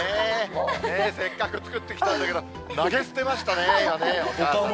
せっかく作ってきたんだけど、投げ捨てましたね、今ね。